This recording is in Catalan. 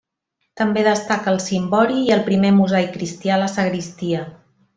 També destaca el cimbori i el primer mosaic cristià a la sagristia.